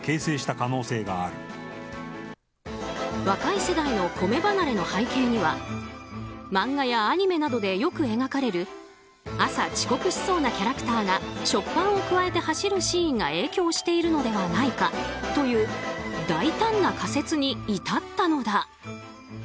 若い世代の米離れの背景には漫画やアニメなどでよく描かれる朝、遅刻しそうなキャラクターが食パンをくわえて走るシーンが影響しているのではないかという大胆な仮説に至ったのだ。